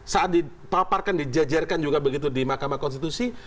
saat dipaparkan dijajarkan juga begitu di mahkamah konstitusi